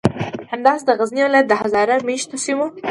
همداسې د غزنی ولایت د هزاره میشتو سیمو